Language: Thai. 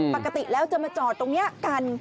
ปกติแล้วจะมาจอดตรงนี้กัน